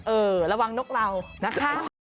เออระวังนกเรานะคะ